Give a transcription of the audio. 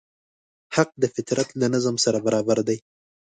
حق د فطرت له نظم سره برابر دی.